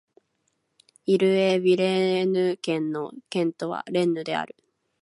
イル＝エ＝ヴィレーヌ県の県都はレンヌである